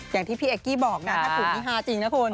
อย่างที่พี่เอกกี้บอกนะถ้าสูงที่๕จริงนะคุณ